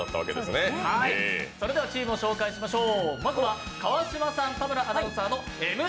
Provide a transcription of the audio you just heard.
それではチームを紹介しましょう。